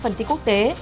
phần thi quốc tế